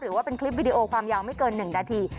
หรือว่าเป็นคลิปวิดีโอความยาวไม่เกิน๑นาที